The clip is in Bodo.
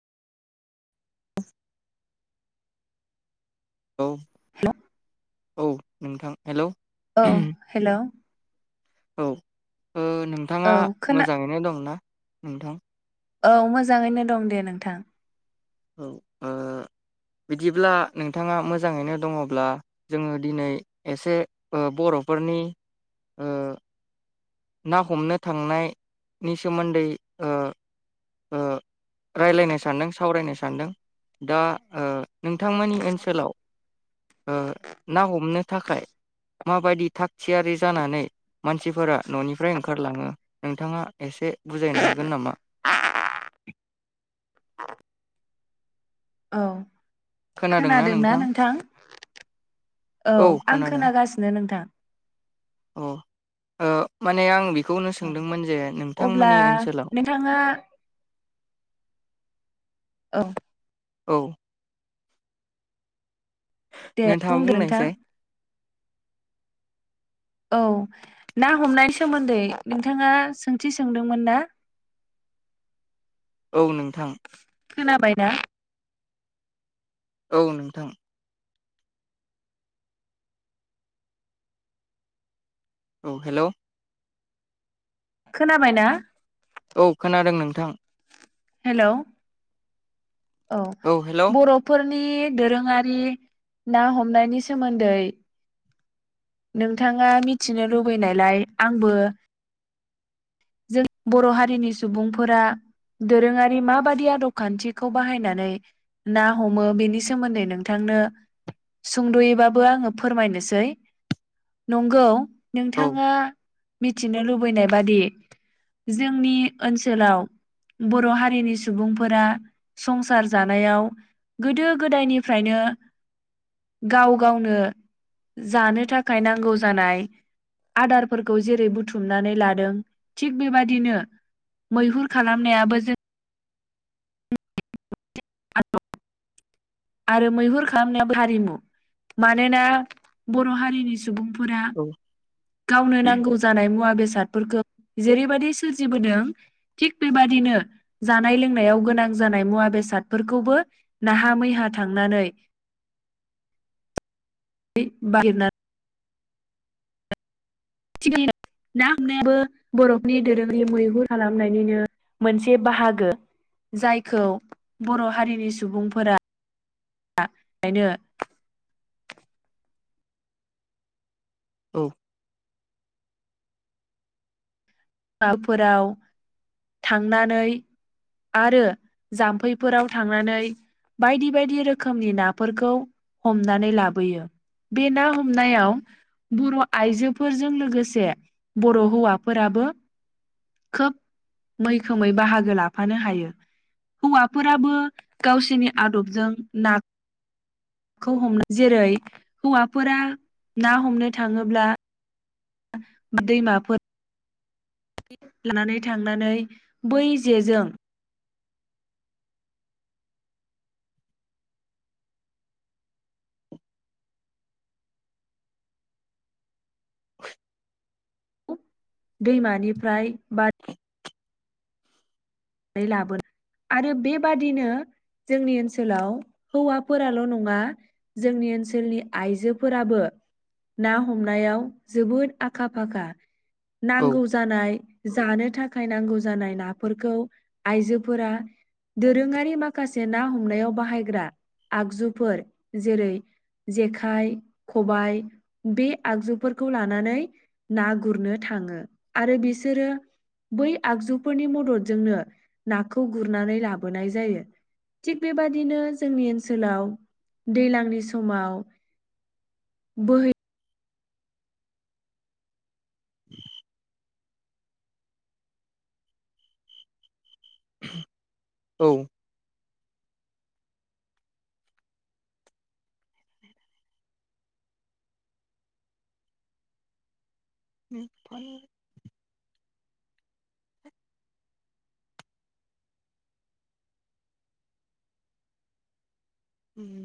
औ औ नोंथां हेलौ औ हेलौ औ औ नोंथाङा ओ खोना मोजाङैनो दंना नोंथां औ मोजाङैनो दं दे नोंथां औ ओ बिदिब्ला नोंथाङा मोजाङैनो दङब्ला जोङो दिनै एसे ओ बर'फोरनि ओ ना हमनो थांनायनि सोमोनदै ओ ओ रायलायनो सानदों सावरायनो सानदों दा ओ नोंथांमोननि ओनसोलाव ओ ना हमनो थाखाय माबायदि थाग थियारि जानानै मानसिफोरा न'निफ्राय ओंखारलाङो नोंथाङा एसे बुजायनो हागोन नामा औ खोनादोंना नोंथां औ आं खोनागासिनो नोंथां अ ओ माने आं बे बेखौनो औ सोंदोंमोन जे अब्ला नोंथांमोननि ओनसोलाव नोंथाङा औ औ दे नोंथाङा बुंदो नोंथां बुंनायसाय औ ना हमनाय सोमोन्दै नोंथाङा सोंथि सोंदोंमोन ना? औ नोंथां खोनाबाय ना? औ नोंथां औ हेलौ खोनाबायना? औ खोनादों नोंथां हेलौ औ हेल' औ बर'फोर नि दोरोङारि ना हमनायनि सोमोन्दै नोंथाङा मिथिनो लुबैनायलाय आंबो जों बर' हारिनि सुबुंफोरा दोरोङारि माबादि आदब खान्थिखौ बाहायनानै ना हमो बेनि सोमोन्दै नोंथांनो सुंद'यैबाबो आङो फोरमायनोसै नंगौ औ नोंथाङा? मिथिनो लुबैनाय बादि जोंनि ओनसोलाव बर हारिनि सुबुंफोरा संसार जानायाव गोदो गोदायनिफ्रायनो गाव गावनो जानो थाखाय नांगौ जानाय आदारफोरखौ जेरै बुथुमनानै लादों। थिग बेबादिनो मैहुर खालामनायाबो जों [unintelligible] आरो मैहुर खालामनायाबो हारिमु मानोना बर' हारिनि सु सुबुंफोरा गावनो नांगौ जानाय मुवा बेसादफोरखो जेरैबाददि सोरजिबोदों थिग बेबादिनो जानाय लोंनायाव गोनां जानाय मुवा बेसादफोरखौबो नाहा मैहा थांनानै [unintelligible] थिगैनो ना हमनायाबो बर'नि दोरोङि मैहुर खालामनायनिनो मोनसे बाहागो जायखौ बर' हारिनि सुबुंफोरा [unintelligible] औ हवाफोराव थांनानै आरो जाम्फैफोराव थांनानै बायदि बायदि रोखोमनि नाफोरखौ हमनानै लाबोयो बे ना हमनायाव बर' आइजोफोरजों लोगोसे बर' हौवाफोराबो खोब मैखोमै बाहागो लाफानो हायो हौवाफोराबो गावसिनि आदबजों ना खौ हमनो जेरै हौवाफोरा ना हमनो थाङोब्ला दैमाफोर [unintelligible] नानै थांनानै बै जेजों [unintelligible] दैमानिफ्राय बा लाबोन आरो बेबादिनो जोंनि ओनसोलाव हौवाफोराल' नङा जोंनि ओनसोलनि आइजोफोराबो ना हमनायाव नांगौ जानाय जानो थाख सायनांगौ जानाय नाफोरखौ आइजोफोरा दोरोङारि माखासे ना हमनायाव बाहायग्रा आगजुफोर जेरै जेखाइ खबाइ बे आगजुफोरखौ लानानै ना गुरनो थाङो आरो बिसोरो बै आगजुफोरनि मददजोंनो नाखौ गुरनानै लाबोनाय जायो थिग बेबादिनो जोंनि ओनसोलाव दैलांनि समाव बोहै [inaudible] [unintelligible] औ [unintelligible] उम